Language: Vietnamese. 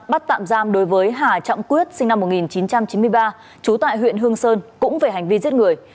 bắt tạm giam đối với hà trọng quyết sinh năm một nghìn chín trăm chín mươi ba trú tại huyện hương sơn cũng về hành vi giết người